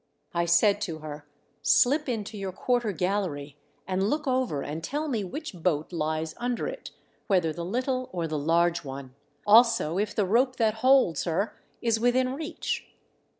I said to her :" SHp into your quarter gallery and look over and tell me which boat lies under it, whether the little or the large one. Also if the rope that holds her is within reach.